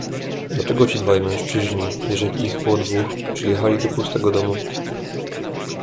"Dlaczego ci dwaj mężczyźni, jeżeli ich było dwóch, przyjechali do pustego domu?"